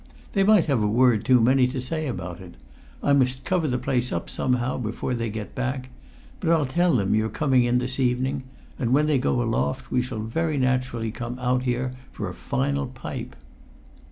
"They might have a word too many to say about it. I must cover the place up somehow before they get back; but I'll tell them you're coming in this evening, and when they go aloft we shall very naturally come out here for a final pipe."